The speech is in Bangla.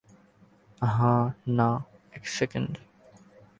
হা-না, এক সেকেন্ড!